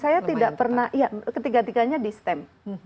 saya tidak pernah ya ketiga tiganya di stem